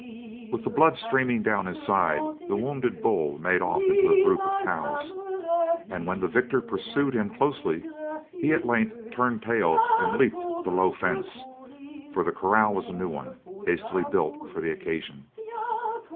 With the blood streaming down his side, the wounded bull made off into a group of cows, and when the victor pursued him closely, he at length turned tail and leaped the low fence for the corral was a new one, hastily built for the occasion.